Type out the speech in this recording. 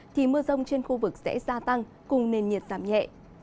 thì mưa rông trên khu vực sẽ gia tăng cùng nền nhiệt giảm nhẹ